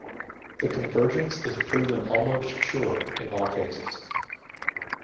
The convergence is proven almost sure in all cases.